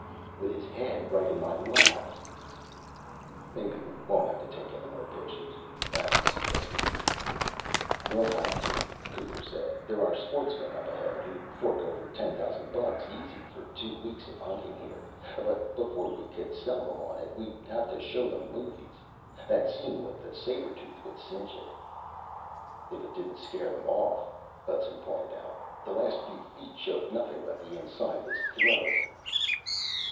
"With his head right in my lap." "Maybe we won't have to take any more pictures," Adams suggested. "We'll have to," Cooper said. "There are sportsmen up ahead who'd fork over ten thousand bucks easy for two weeks of hunting here. But before we could sell them on it, we'd have to show them movies. That scene with the saber tooth would cinch it." "If it didn't scare them off," Hudson pointed out. "The last few feet showed nothing but the inside of his throat."